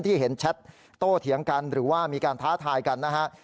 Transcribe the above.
ที่เห็นแชทโตเถียงกันหรือว่ามีการท้าทายกันนะฮะ